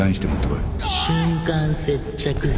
瞬間接着剤